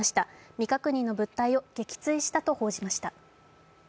未確認の物体を撃墜したと報じました。